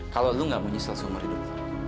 kalau lu gak punya salsung hidup